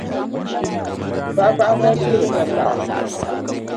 Baɣibaɣi noli tiligi tapaɣa.